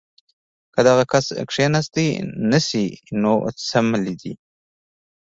کۀ دغه کس کښېناستے نشي نو څملي دې